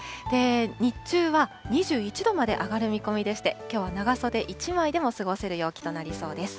日中は２１度まで上がる見込みでして、きょうは長袖１枚でも過ごせる陽気となりそうです。